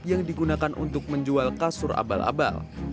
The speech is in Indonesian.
yang digunakan untuk menjual kasur abal abal